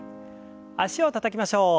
脚をたたきましょう。